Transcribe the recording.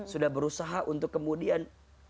sudah berusaha untuk kemudian